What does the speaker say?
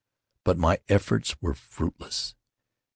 But my efforts were fruitless.